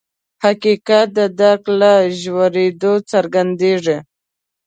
حقیقت د درک له ژورېدو څرګندېږي.